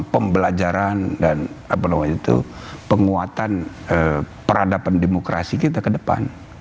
pembelajaran dan penguatan peradaban demokrasi kita ke depan